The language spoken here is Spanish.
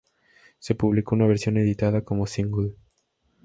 Se publicó una versión editada como single.